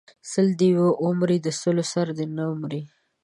سل دې و مره، د سلو سر دې مه مره!